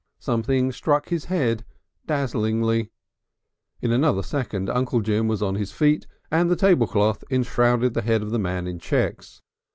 Something struck his head dazzingly. In another second Uncle Jim was on his feet and the tablecloth enshrouded the head of the man in checks.